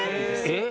えっ！？